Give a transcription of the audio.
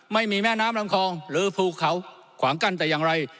ไม่มีแม่น้ำลำคองหรือภูเขาขวางกั้นแต่อย่างไร